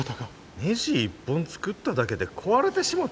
ねじ１本作っただけで壊れてしもた？